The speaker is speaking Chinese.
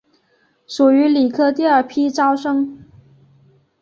属于理科第二批招生。